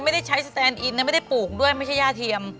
ไม่ได้ใช้สแตนอินนะไม่ได้ปลูกด้วยไม่ใช่ย่าเทียม